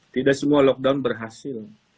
tidak semua lockdown berhasil